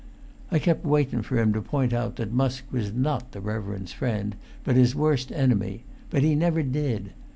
I kept waitun for him to point out that Musk was not the reverend's friend, but his worst enemy; but he never did.